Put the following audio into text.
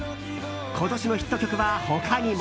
今年のヒット曲は、他にも。